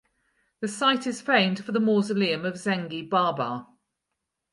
The site is famed for the Mausoleum of Zengi Baba.